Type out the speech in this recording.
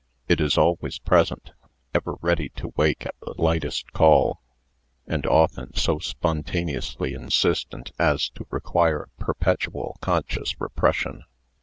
It is always present, ever ready to wake at the lightest call, and often so spontaneously insistent as to require perpetual conscious repression.